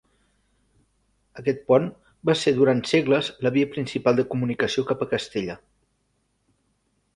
Aquest pont va ser durant segles la via principal de comunicació cap a Castella.